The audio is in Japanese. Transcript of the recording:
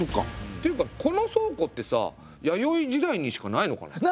っていうかこの倉庫ってさ弥生時代にしかないのかな？